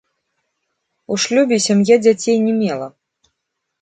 У шлюбе сям'я дзяцей не мела.